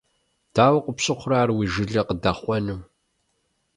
Дауэ къыпщыхъурэ ар уи жылэ къыдэхъуэну.